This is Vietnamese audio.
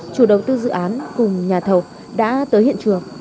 chủ đầu tư dự án cùng nhà thầu đã tới hiện trường